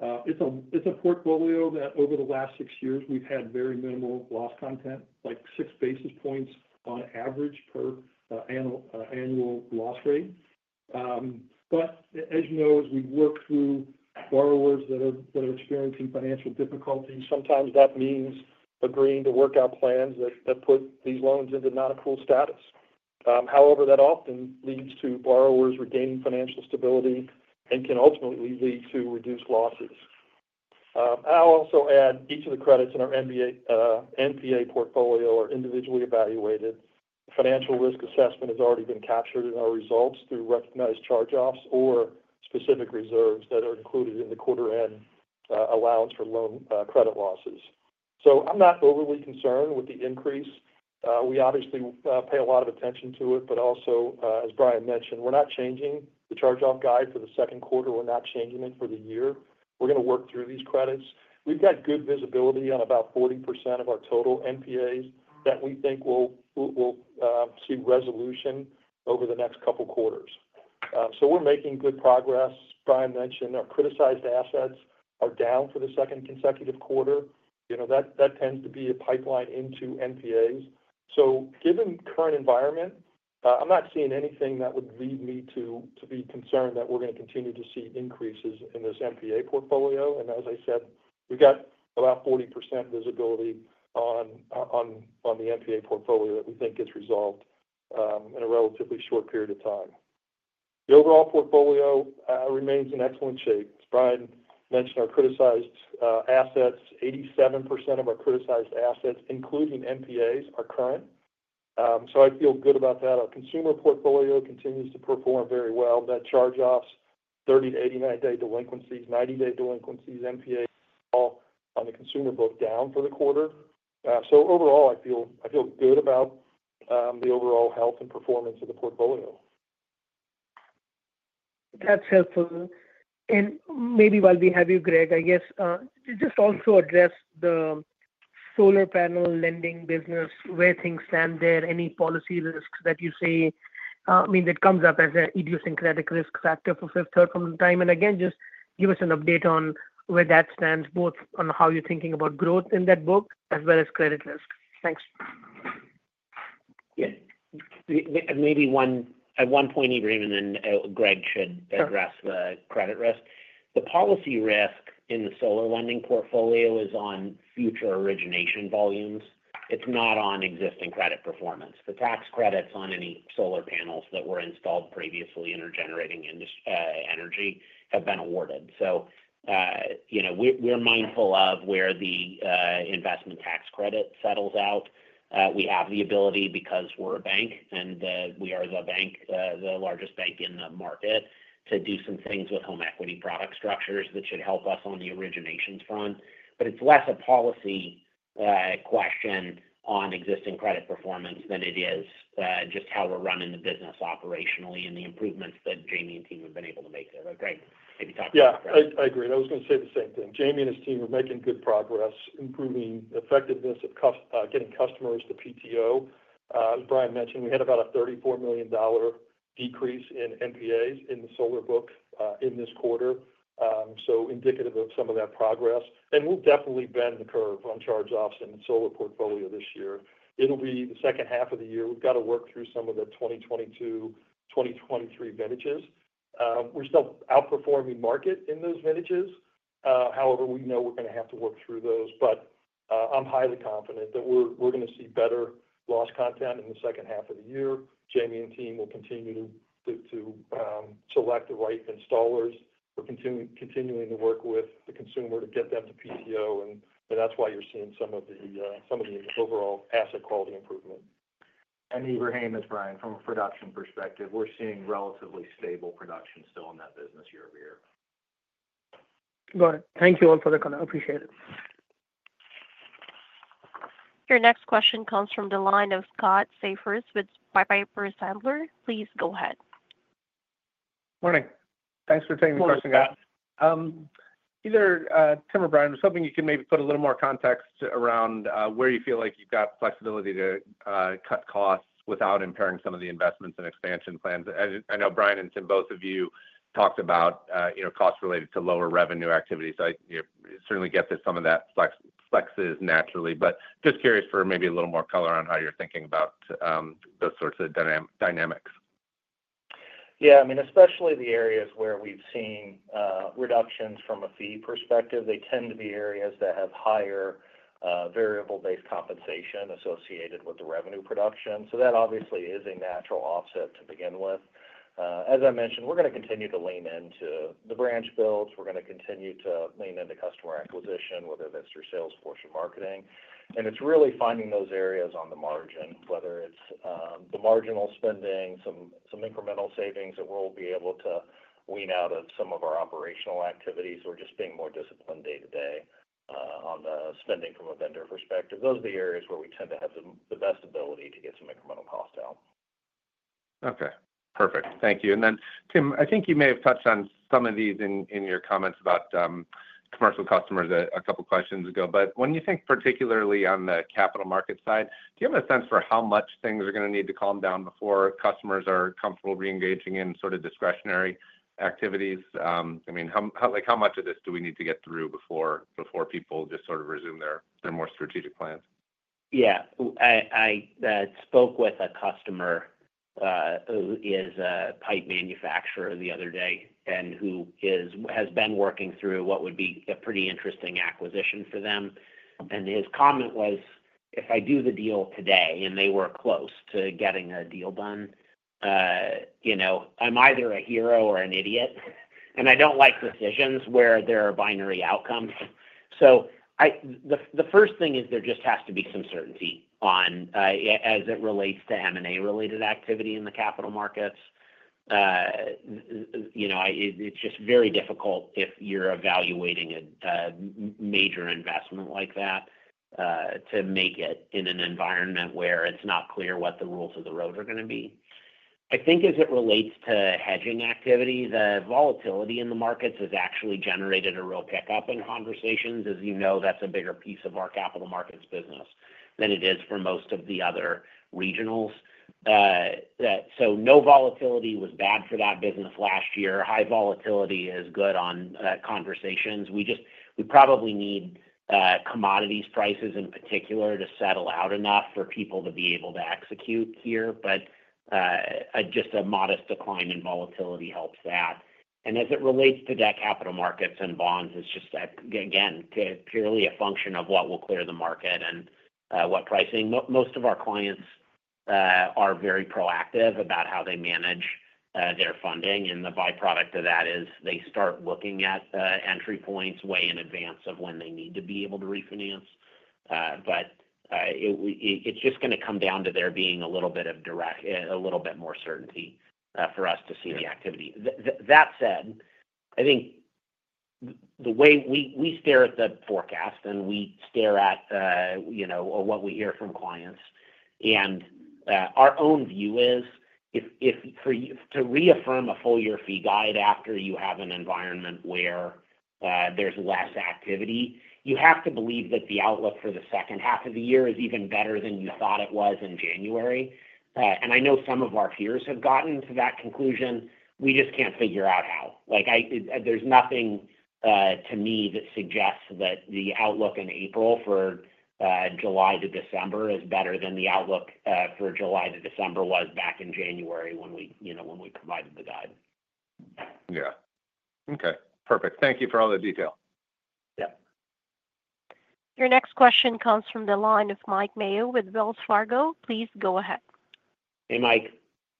It's a portfolio that over the last six years, we've had very minimal loss content, like six basis points on average per annual loss rate. As you know, as we work through borrowers that are experiencing financial difficulties, sometimes that means agreeing to work out plans that put these loans into non-accrual status. However, that often leads to borrowers regaining financial stability and can ultimately lead to reduced losses. I'll also add each of the credits in our NPA portfolio are individually evaluated. Financial risk assessment has already been captured in our results through recognized charge-offs or specific reserves that are included in the quarter-end allowance for loan credit losses. I am not overly concerned with the increase. We obviously pay a lot of attention to it. Also, as Bryan mentioned, we are not changing the charge-off guide for the second quarter, we are not changing it for the year. We are going to work through these credits. We have good visibility on about 40% of our total NPAs that we think will see resolution over the next couple of quarters. We are making good progress. Bryan mentioned our criticized assets are down for the second consecutive quarter. That tends to be a pipeline into NPAs. Given the current environment, I am not seeing anything that would lead me to be concerned that we are going to continue to see increases in this NPA portfolio. As I said, we've got about 40% visibility on the NPA portfolio that we think gets resolved in a relatively short period of time. The overall portfolio remains in excellent shape. As Bryan mentioned, our criticized assets, 87% of our criticized assets, including NPAs, are current. I feel good about that. Our consumer portfolio continues to perform very well. That charge-offs, 30-89-day delinquencies, 90-day delinquencies, NPAs on the consumer book down for the quarter. Overall, I feel good about the overall health and performance of the portfolio. That's helpful. Maybe while we have you, Greg, I guess just also address the solar panel lending business, where things stand there, any policy risks that you see, I mean, that comes up as an idiosyncratic risk factor for Fifth Third from the time. Just give us an update on where that stands, both on how you're thinking about growth in that book as well as credit risk. Thanks. Yeah. Maybe at one point, Ebrahim and then Greg should address the credit risk. The policy risk in the solar lending portfolio is on future origination volumes. It's not on existing credit performance. The tax credits on any solar panels that were installed previously and are generating energy have been awarded. We are mindful of where the investment tax credit settles out. We have the ability because we're a bank, and we are the largest bank in the market, to do some things with home equity product structures that should help us on the originations front. It is less a policy question on existing credit performance than it is just how we are running the business operationally and the improvements that Jamie and team have been able to make there. Greg, maybe talk to us about that. Yeah. I agree. I was going to say the same thing. Jamie and his team are making good progress, improving effectiveness of getting customers to PTO. As Bryan mentioned, we had about a $34 million decrease in NPAs in the solar book in this quarter, so indicative of some of that progress. We will definitely bend the curve on charge-offs in the solar portfolio this year. It will be the second half of the year. We have to work through some of the 2022, 2023 vintages. We are still outperforming market in those vintages. However, we know we are going to have to work through those. I'm highly confident that we're going to see better loss content in the second half of the year. Jamie and team will continue to select the right installers. We're continuing to work with the consumer to get them to PTO. That's why you're seeing some of the overall asset quality improvement. Ebrahim, this is Bryan. From a production perspective, we're seeing relatively stable production still in that business year-over-year. Got it. Thank you all for the comment. Appreciate it. Your next question comes from the line of Scott Siefers with Piper Sandler. Please go ahead. Morning. Thanks for taking the question, guys. Either Tim or Bryan, I was hoping you could maybe put a little more context around where you feel like you've got flexibility to cut costs without impairing some of the investments and expansion plans. I know Bryan and Tim, both of you talked about costs related to lower revenue activities. I certainly get that some of that flexes naturally. Just curious for maybe a little more color on how you're thinking about those sorts of dynamics. I mean, especially the areas where we've seen reductions from a fee perspective, they tend to be areas that have higher variable-based compensation associated with the revenue production. That obviously is a natural offset to begin with. As I mentioned, we're going to continue to lean into the branch builds. We're going to continue to lean into customer acquisition, whether that's through salesforce or marketing. It is really finding those areas on the margin, whether it is the marginal spending, some incremental savings that we will be able to wean out of some of our operational activities, or just being more disciplined day-to-day on the spending from a vendor perspective. Those are the areas where we tend to have the best ability to get some incremental cost out. Okay. Perfect. Thank you. Then, Tim, I think you may have touched on some of these in your comments about commercial customers a couple of questions ago. When you think particularly on the capital market side, do you have a sense for how much things are going to need to calm down before customers are comfortable re-engaging in sort of discretionary activities? I mean, how much of this do we need to get through before people just sort of resume their more strategic plans? Yeah. I spoke with a customer who is a pipe manufacturer the other day and who has been working through what would be a pretty interesting acquisition for them. His comment was, "If I do the deal today and they were close to getting a deal done, I'm either a hero or an idiot." I do not like decisions where there are binary outcomes. The first thing is there just has to be some certainty as it relates to M&A-related activity in the capital markets. It is just very difficult if you are evaluating a major investment like that to make it in an environment where it is not clear what the rules of the road are going to be. I think as it relates to hedging activity, the volatility in the markets has actually generated a real pickup in conversations. As you know, that's a bigger piece of our capital markets business than it is for most of the other regionals. No volatility was bad for that business last year. High volatility is good on conversations. We probably need commodities prices in particular to settle out enough for people to be able to execute here. Just a modest decline in volatility helps that. As it relates to debt capital markets and bonds, it's just, again, purely a function of what will clear the market and what pricing. Most of our clients are very proactive about how they manage their funding. The byproduct of that is they start looking at entry points way in advance of when they need to be able to refinance. It is just going to come down to there being a little bit more certainty for us to see the activity. That said, I think the way we stare at the forecast and we stare at what we hear from clients, and our own view is to reaffirm a full-year fee guide after you have an environment where there is less activity, you have to believe that the outlook for the second half of the year is even better than you thought it was in January. I know some of our peers have gotten to that conclusion. We just cannot figure out how. There is nothing to me that suggests that the outlook in April for July to December is better than the outlook for July to December was back in January when we provided the guide. Yeah. Okay. Perfect. Thank you for all the detail. Yeah. Your next question comes from the line of Mike Mayo with Wells Fargo. Please go ahead. Hey, Mike.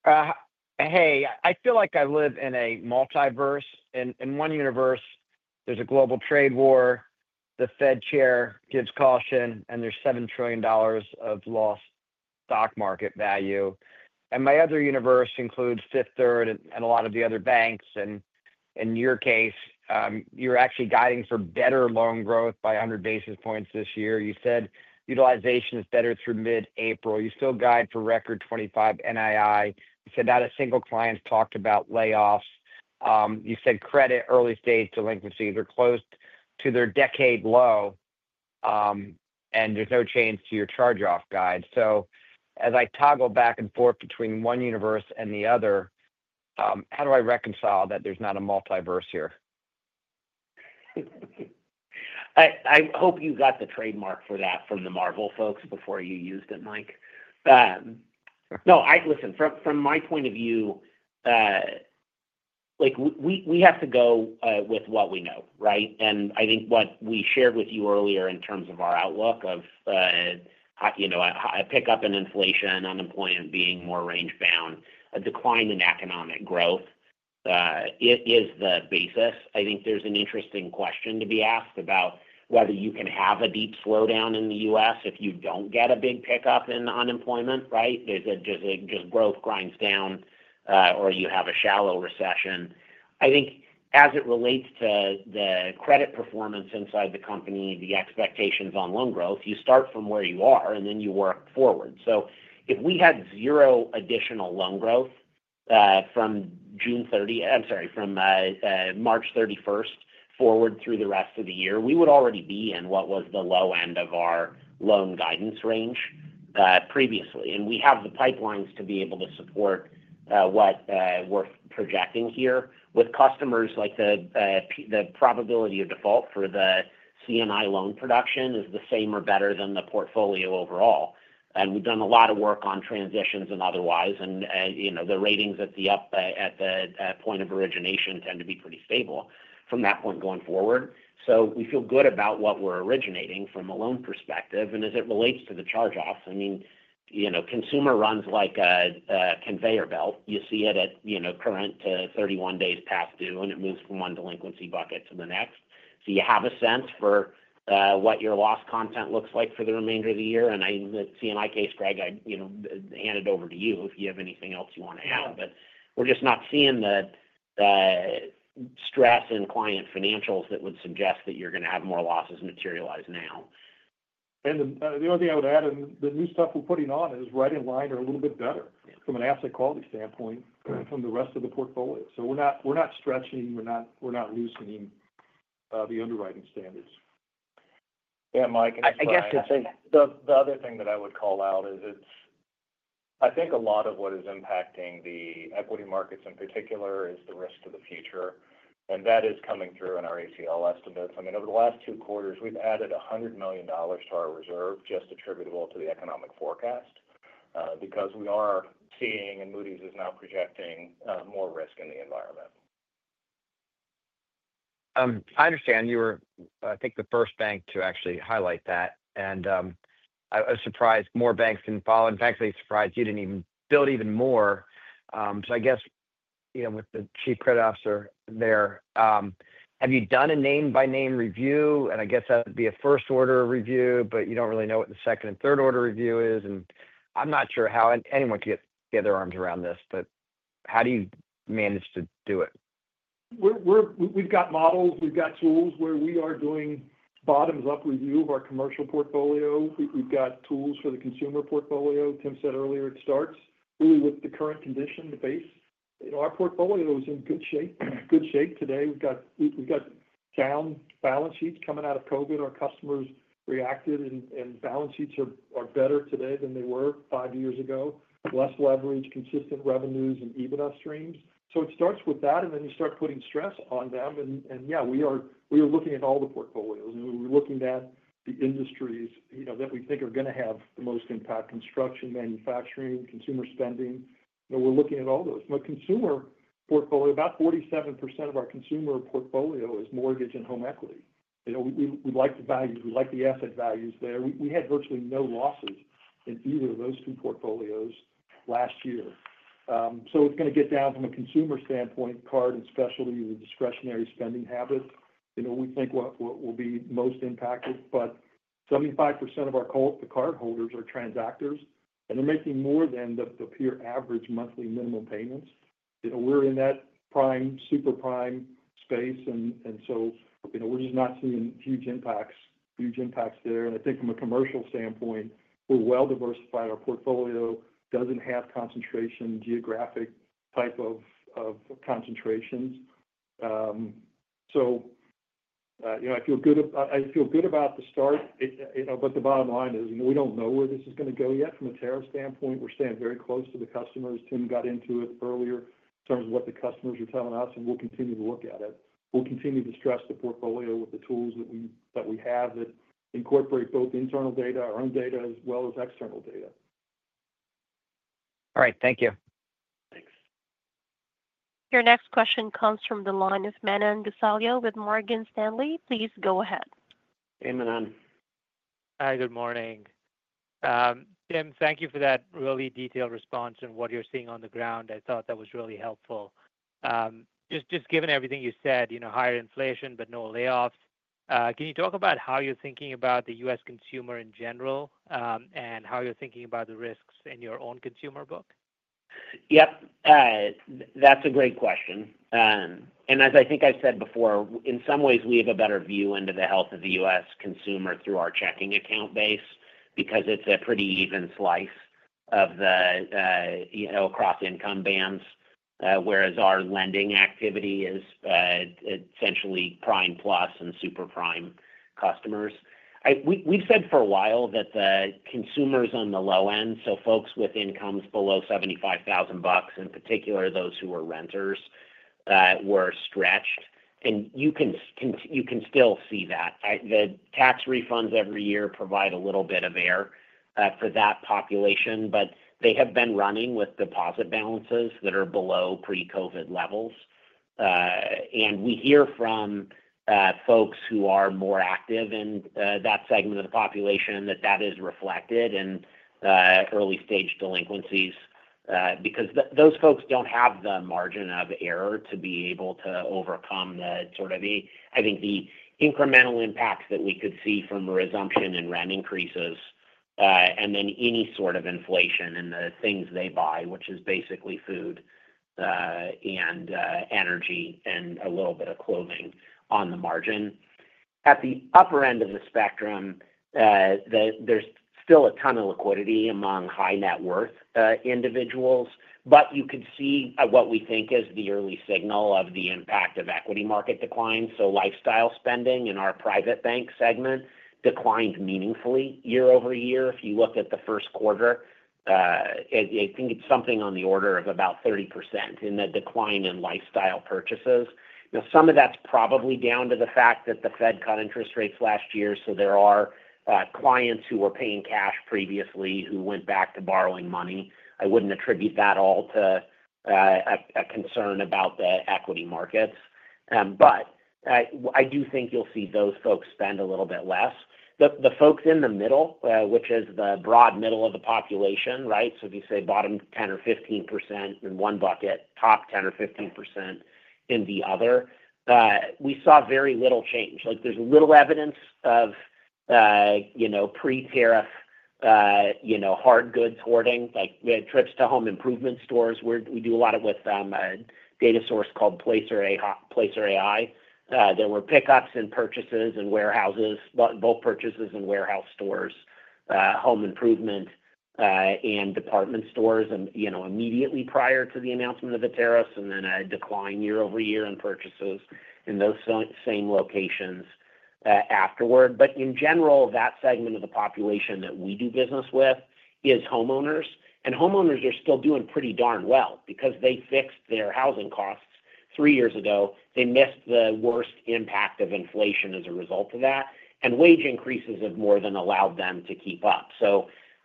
Hey. I feel like I live in a multiverse. In one universe, there's a global trade war. The Fed chair gives caution, and there's $7 trillion of lost stock market value. In my other universe includes Fifth Third and a lot of the other banks. In your case, you're actually guiding for better loan growth by 100 basis points this year. You said utilization is better through mid-April. You still guide for record 2025 NII. You said not a single client talked about layoffs. You said credit early-stage delinquencies are close to their decade low, and there's no change to your charge-off guide. As I toggle back and forth between one universe and the other, how do I reconcile that there's not a multiverse here? I hope you got the trademark for that from the Marvel folks before you used it, Mike. No, listen, from my point of view, we have to go with what we know, right? I think what we shared with you earlier in terms of our outlook of a pickup in inflation, unemployment being more range-bound, a decline in economic growth is the basis. I think there's an interesting question to be asked about whether you can have a deep slowdown in the U.S. if you don't get a big pickup in unemployment, right? Does it just growth grinds down, or you have a shallow recession? I think as it relates to the credit performance inside the company, the expectations on loan growth, you start from where you are, and then you work forward. If we had zero additional loan growth from June 30, I’m sorry, from March 31 forward through the rest of the year, we would already be in what was the low end of our loan guidance range previously. We have the pipelines to be able to support what we’re projecting here. With customers, the probability of default for the C&I loan production is the same or better than the portfolio overall. We’ve done a lot of work on transitions and otherwise. The ratings at the point of origination tend to be pretty stable from that point going forward. We feel good about what we’re originating from a loan perspective. As it relates to the charge-off, I mean, consumer runs like a conveyor belt. You see it at current to 31 days past due, and it moves from one delinquency bucket to the next. You have a sense for what your loss content looks like for the remainder of the year. In the C&I case, Greg, I'd hand it over to you if you have anything else you want to add. We're just not seeing the stress in client financials that would suggest that you're going to have more losses materialize now. The only thing I would add, and the new stuff we're putting on is right in line or a little bit better from an asset quality standpoint from the rest of the portfolio. We're not stretching. We're not loosening the underwriting standards. Yeah, Mike. I guess the other thing that I would call out is I think a lot of what is impacting the equity markets in particular is the risk to the future. That is coming through in our ACL estimates. I mean, over the last two quarters, we've added $100 million to our reserve just attributable to the economic forecast because we are seeing, and Moody's is now projecting more risk in the environment. I understand. You were, I think, the first bank to actually highlight that. I was surprised more banks didn't follow. In fact, they surprised you didn't even build even more. I guess with the Chief Credit Officer there, have you done a name-by-name review? I guess that would be a first-order review, but you don't really know what the second and third-order review is. I'm not sure how anyone can get their arms around this, but how do you manage to do it? We've got models. We've got tools where we are doing bottoms-up review of our commercial portfolio. We've got tools for the consumer portfolio. Tim said earlier it starts really with the current condition to face. Our portfolio is in good shape today. We've got sound balance sheets coming out of COVID. Our customers reacted, and balance sheets are better today than they were five years ago. Less leverage, consistent revenues, and EBITDA streams. It starts with that, and then you start putting stress on them. Yeah, we are looking at all the portfolios. We're looking at the industries that we think are going to have the most impact: construction, manufacturing, consumer spending. We're looking at all those. Consumer portfolio, about 47% of our consumer portfolio is mortgage and home equity. We like the values. We like the asset values there. We had virtually no losses in either of those two portfolios last year. It is going to get down from a consumer standpoint, card and specialty, the discretionary spending habits. We think what will be most impacted. 75% of our cardholders are transactors, and they are making more than the peer average monthly minimum payments. We are in that prime, super prime space. We are just not seeing huge impacts there. I think from a commercial standpoint, we are well-diversified. Our portfolio does not have concentration, geographic type of concentrations. I feel good about the start. The bottom line is we do not know where this is going to go yet. From a tariff standpoint, we are staying very close to the customers. Tim got into it earlier in terms of what the customers are telling us, and we will continue to look at it. We'll continue to stress the portfolio with the tools that we have that incorporate both internal data, our own data, as well as external data. All right. Thank you. Thanks. Your next question comes from the line of Manan Gosalia with Morgan Stanley. Please go ahead. Hey, Manan. Hi. Good morning. Tim, thank you for that really detailed response and what you're seeing on the ground. I thought that was really helpful. Just given everything you said, higher inflation, but no layoffs, can you talk about how you're thinking about the U.S. consumer in general and how you're thinking about the risks in your own consumer book? Yep. That's a great question. As I think I've said before, in some ways, we have a better view into the health of the U.S. consumer through our checking account base because it's a pretty even slice of the cross-income bands, whereas our lending activity is essentially prime plus and super prime customers. We've said for a while that the consumers on the low end, so folks with incomes below $75,000, in particular those who are renters, were stretched. You can still see that. The tax refunds every year provide a little bit of air for that population, but they have been running with deposit balances that are below pre-COVID levels. We hear from folks who are more active in that segment of the population that that is reflected in early-stage delinquencies because those folks do not have the margin of error to be able to overcome the sort of, I think, the incremental impacts that we could see from resumption and rent increases and then any sort of inflation in the things they buy, which is basically food and energy and a little bit of clothing on the margin. At the upper end of the spectrum, there is still a ton of liquidity among high-net-worth individuals, but you could see what we think is the early signal of the impact of equity market decline. Lifestyle spending in our private bank segment declined meaningfully year-over-year. If you look at the first quarter, I think it is something on the order of about 30% in the decline in lifestyle purchases. Now, some of that's probably down to the fact that the Fed cut interest rates last year. There are clients who were paying cash previously who went back to borrowing money. I wouldn't attribute that all to a concern about the equity markets. I do think you'll see those folks spend a little bit less. The folks in the middle, which is the broad middle of the population, right? If you say bottom 10% or 15% in one bucket, top 10% or 15% in the other, we saw very little change. There's little evidence of pre-tariff hard goods hoarding. We had trips to home improvement stores. We do a lot of it with a data source called Placer.ai. There were pickups and purchases in warehouses, both purchases and warehouse stores, home improvement, and department stores immediately prior to the announcement of the tariffs and then a decline year-over-year in purchases in those same locations afterward. In general, that segment of the population that we do business with is homeowners. Homeowners are still doing pretty darn well because they fixed their housing costs three years ago. They missed the worst impact of inflation as a result of that. Wage increases have more than allowed them to keep up.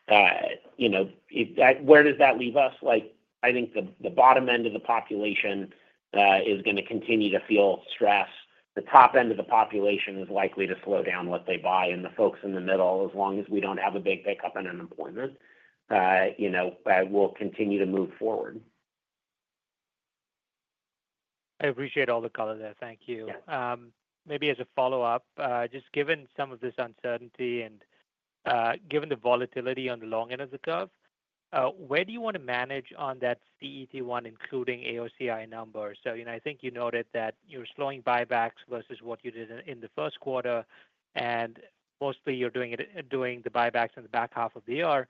Where does that leave us? I think the bottom end of the population is going to continue to feel stress. The top end of the population is likely to slow down what they buy. The folks in the middle, as long as we do not have a big pickup in unemployment, will continue to move forward. I appreciate all the color there. Thank you. Maybe as a follow-up, just given some of this uncertainty and given the volatility on the long end of the curve, where do you want to manage on that CET1, including AOCI numbers? I think you noted that you are slowing buybacks versus what you did in the first quarter, and mostly you are doing the buybacks in the back half of the year.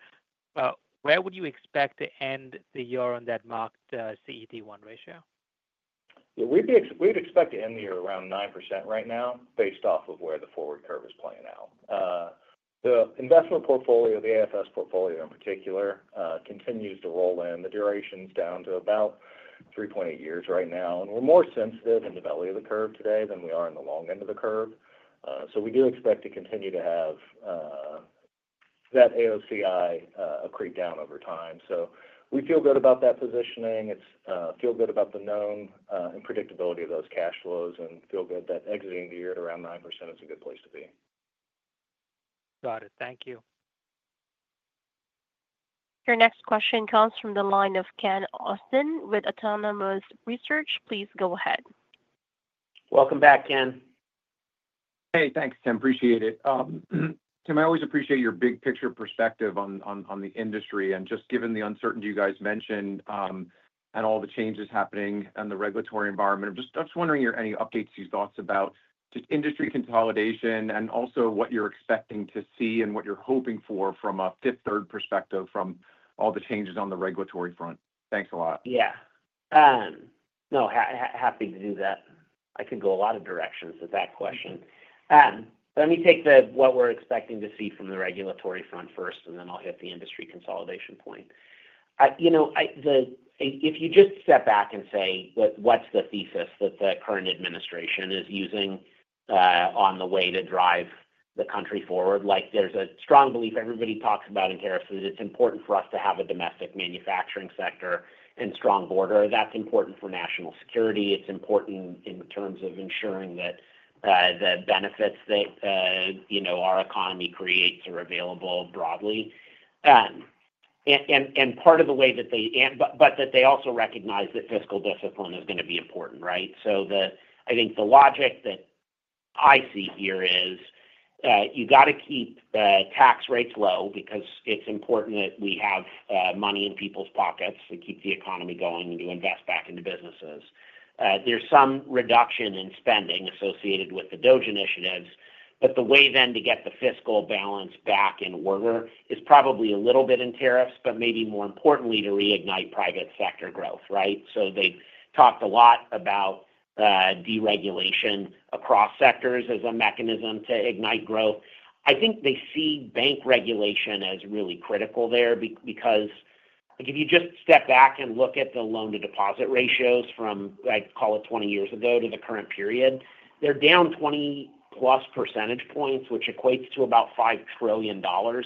Where would you expect to end the year on that marked CET1 ratio? Yeah. We would expect to end the year around 9% right now based off of where the forward curve is playing out. The investment portfolio, the AFS portfolio in particular, continues to roll in. The duration is down to about 3.8 years right now. We are more sensitive in the belly of the curve today than we are in the long end of the curve. We do expect to continue to have that AOCI creep down over time. We feel good about that positioning. I feel good about the known and predictability of those cash flows and feel good that exiting the year at around 9% is a good place to be. Got it. Thank you. Your next question comes from the line of Ken Usdin with Autonomous Research. Please go ahead. Welcome back, Ken. Hey, thanks, Tim. Appreciate it. Tim, I always appreciate your big-picture perspective on the industry. Just given the uncertainty you guys mentioned and all the changes happening in the regulatory environment, I'm just wondering if there are any updates you thought about just industry consolidation and also what you're expecting to see and what you're hoping for from a Fifth Third perspective from all the changes on the regulatory front. Thanks a lot. Yeah. No, happy to do that. I could go a lot of directions with that question. Let me take what we're expecting to see from the regulatory front first, and then I'll hit the industry consolidation point. If you just step back and say, "What's the thesis that the current administration is using on the way to drive the country forward?" There's a strong belief everybody talks about in tariffs that it's important for us to have a domestic manufacturing sector and strong border. That's important for national security. It's important in terms of ensuring that the benefits that our economy creates are available broadly. Part of the way that they also recognize that fiscal discipline is going to be important, right? I think the logic that I see here is you got to keep tax rates low because it's important that we have money in people's pockets to keep the economy going and to invest back into businesses. There's some reduction in spending associated with the DOGE initiatives, but the way then to get the fiscal balance back in order is probably a little bit in tariffs, but maybe more importantly to reignite private sector growth, right? They've talked a lot about deregulation across sectors as a mechanism to ignite growth. I think they see bank regulation as really critical there because if you just step back and look at the loan-to-deposit ratios from, I'd call it 20 years ago, to the current period, they're down 20-plus percentage points, which equates to about $5 trillion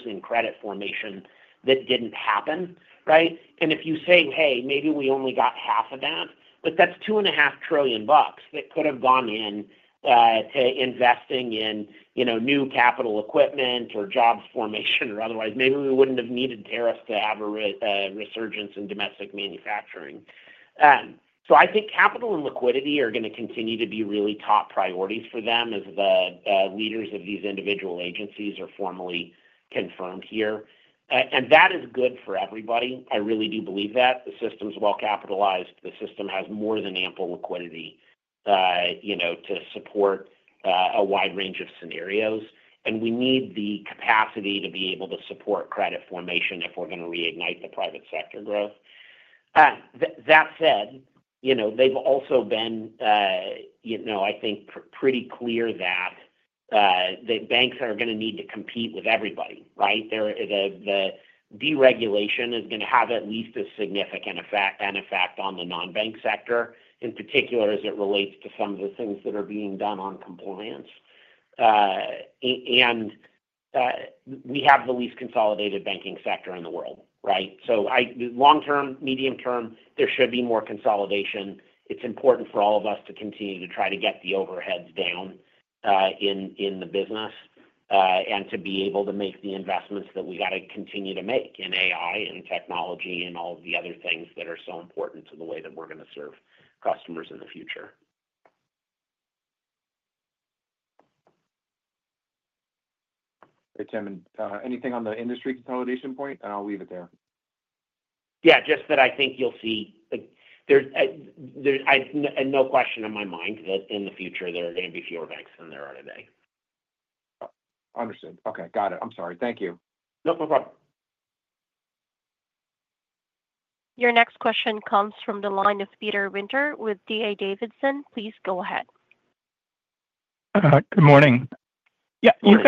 in credit formation that didn't happen, right? If you say, "Hey, maybe we only got half of that," but that's $2.5 trillion that could have gone into investing in new capital equipment or job formation or otherwise. Maybe we wouldn't have needed tariffs to have a resurgence in domestic manufacturing. I think capital and liquidity are going to continue to be really top priorities for them as the leaders of these individual agencies are formally confirmed here. That is good for everybody. I really do believe that. The system's well-capitalized. The system has more than ample liquidity to support a wide range of scenarios. We need the capacity to be able to support credit formation if we're going to reignite the private sector growth. That said, they've also been, I think, pretty clear that banks are going to need to compete with everybody, right? The deregulation is going to have at least a significant effect on the non-bank sector, in particular as it relates to some of the things that are being done on compliance. We have the least consolidated banking sector in the world, right? Long-term, medium-term, there should be more consolidation. It's important for all of us to continue to try to get the overheads down in the business and to be able to make the investments that we got to continue to make in AI and technology and all of the other things that are so important to the way that we're going to serve customers in the future. Hey, Tim. Anything on the industry consolidation point? And I'll leave it there. Yeah. Just that I think you'll see there's no question in my mind that in the future, there are going to be fewer banks than there are today. Understood. Okay. Got it. I'm sorry. Thank you. No, no problem. Your next question comes from the line of Peter Winter with DA Davidson. Please go ahead. Good morning. Yeah. Good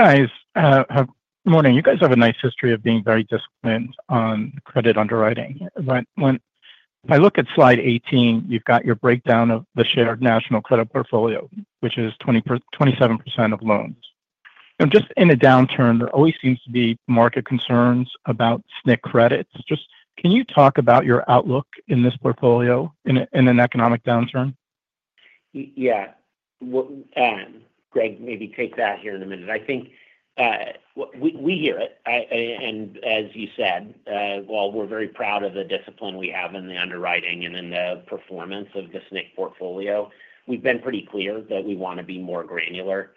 morning. You guys have a nice history of being very disciplined on credit underwriting. When I look at Slide 18, you've got your breakdown of the shared national credit portfolio, which is 27% of loans. In a downturn, there always seems to be market concerns about SNC credits. Can you talk about your outlook in this portfolio in an economic downturn? Yeah. Greg, maybe take that here in a minute. I think we hear it. As you said, while we're very proud of the discipline we have in the underwriting and in the performance of the SNC portfolio, we've been pretty clear that we want to be more granular.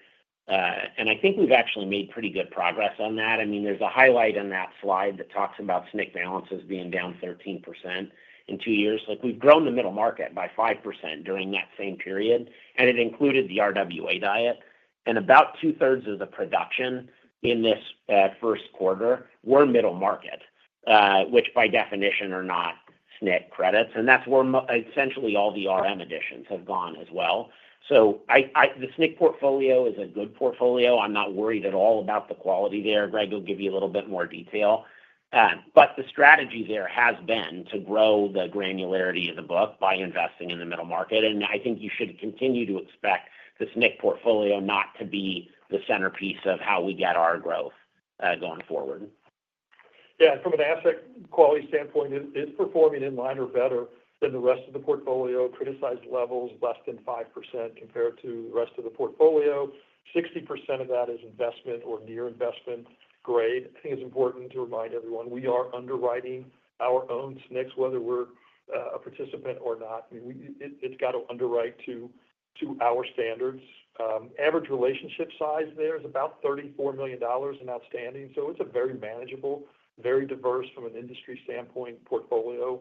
I think we've actually made pretty good progress on that. I mean, there's a highlight in that slide that talks about SNC balances being down 13% in two years. We've grown the middle market by 5% during that same period. It included the RWA diet. About two-thirds of the production in this first quarter were middle market, which by definition are not SNC credits. That is where essentially all the RM additions have gone as well. The SNC portfolio is a good portfolio. I'm not worried at all about the quality there. Greg will give you a little bit more detail. The strategy there has been to grow the granularity of the book by investing in the middle market. I think you should continue to expect the SNC portfolio not to be the centerpiece of how we get our growth going forward. From an asset quality standpoint, it's performing in line or better than the rest of the portfolio. Criticized levels less than 5% compared to the rest of the portfolio. 60% of that is investment or near investment grade. I think it's important to remind everyone we are underwriting our own SNCs, whether we're a participant or not. I mean, it's got to underwrite to our standards. Average relationship size there is about $34 million in outstanding. It's a very manageable, very diverse from an industry standpoint portfolio.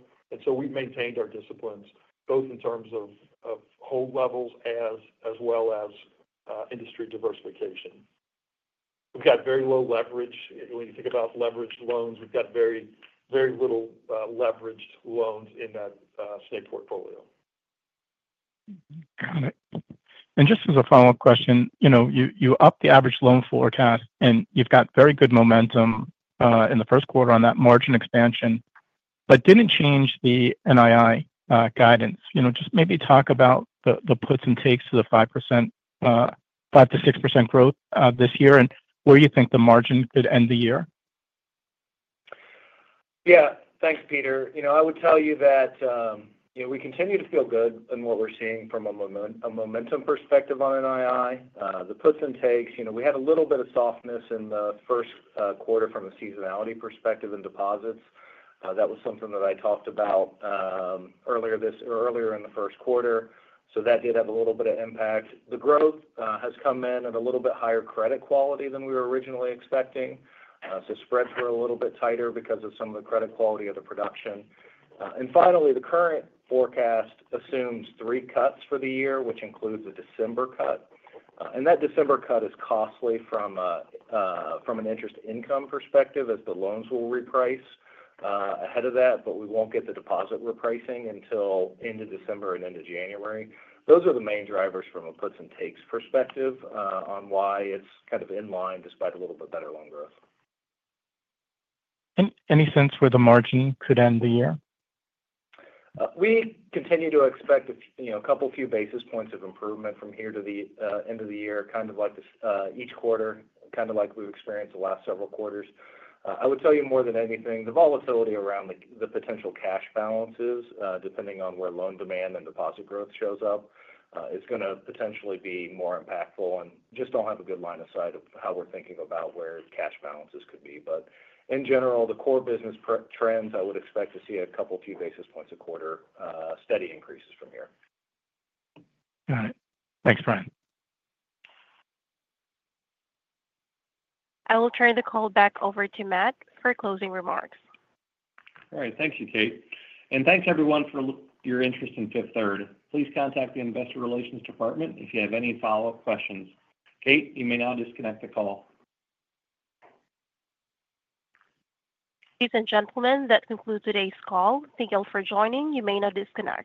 We've maintained our disciplines both in terms of hold levels as well as industry diversification. We've got very low leverage. When you think about leveraged loans, we've got very little leveraged loans in that SNC portfolio. Got it. Just as a follow-up question, you upped the average loan forecast, and you've got very good momentum in the first quarter on that margin expansion, but didn't change the NII guidance. Just maybe talk about the puts and takes to the 5-6% growth this year and where you think the margin could end the year. Yeah. Thanks, Peter. I would tell you that we continue to feel good in what we're seeing from a momentum perspective on NII. The puts and takes, we had a little bit of softness in the first quarter from a seasonality perspective in deposits. That was something that I talked about earlier in the first quarter. That did have a little bit of impact. The growth has come in at a little bit higher credit quality than we were originally expecting. Spreads were a little bit tighter because of some of the credit quality of the production. Finally, the current forecast assumes three cuts for the year, which includes a December cut. That December cut is costly from an interest income perspective as the loans will reprice ahead of that, but we won't get the deposit repricing until end of December and end of January. Those are the main drivers from a puts and takes perspective on why it's kind of in line despite a little bit better loan growth. Any sense where the margin could end the year? We continue to expect a couple of few basis points of improvement from here to the end of the year, kind of like each quarter, kind of like we've experienced the last several quarters. I would tell you more than anything, the volatility around the potential cash balances, depending on where loan demand and deposit growth shows up, is going to potentially be more impactful. I just don't have a good line of sight of how we're thinking about where cash balances could be. In general, the core business trends, I would expect to see a couple of few basis points a quarter, steady increases from here. Got it. Thanks, Bryan. I will turn the call back over to Matt for closing remarks. All right. Thank you, Kate. And thanks, everyone, for your interest in Fifth Third. Please contact the investor relations department if you have any follow-up questions. Kate, you may now disconnect the call. Ladies and gentlemen, that concludes today's call. Thank you all for joining. You may now disconnect.